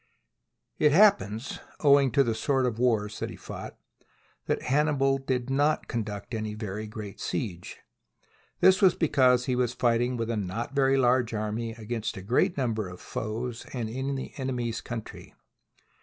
It happens, owing to the sort of wars that he fought, that Hannibal did not conduct any very great siege. This was because he was fighting with a not very large army against a great number of foes and in the enemy's country.